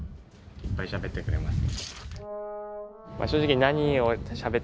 いっぱいしゃべってくれますね。